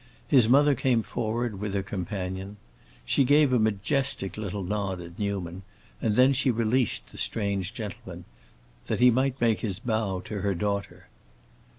His mother came forward with her companion. She gave a majestic little nod at Newman, and then she released the strange gentleman, that he might make his bow to her daughter.